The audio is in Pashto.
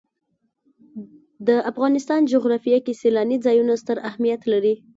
د افغانستان جغرافیه کې سیلاني ځایونه ستر اهمیت لري.